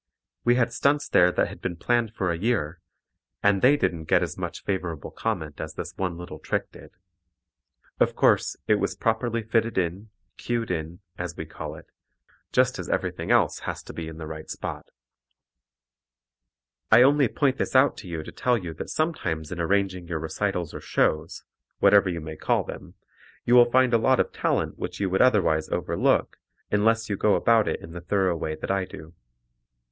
We had stunts there that had been planned for a year, and they didn't get as much favorable comment as this one little trick did. Of course, it was properly fitted in, cued in, as we call it, just as everything else has to be in the right spot. [Illustration: WILL ROGERS] I only point this out to you to tell you that sometimes in arranging your recitals or shows whatever you may call them you will find a lot of talent which you would otherwise overlook unless you go about it the thorough way that I do.